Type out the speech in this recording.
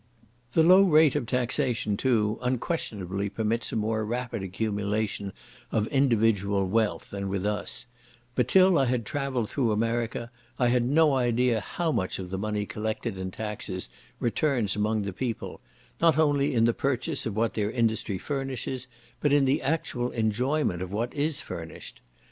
The low rate of taxation, too, unquestionably permits a more rapid accumulation of individual wealth than with us; but till I had travelled through America, I had no idea how much of the money collected in taxes returns among the people, not only in the purchase of what their industry furnishes, but in the actual enjoyment of what is furnished.